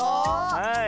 はい。